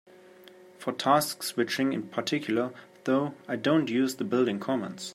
For task switching in particular, though, I don't use the built-in commands.